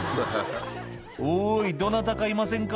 「おいどなたかいませんか？